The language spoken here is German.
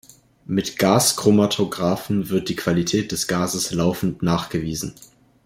Mit Gaschromatographen wird die Qualität des Gases laufend nachgewiesen.